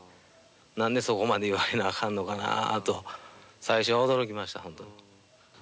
なんでそこまで言われなあかんのかなと、最初は驚きました、本当に。